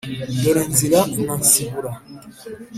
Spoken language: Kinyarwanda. dore nzira na nsibura”.